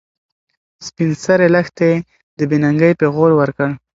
سپین سرې لښتې ته د بې ننګۍ پېغور ورکړ.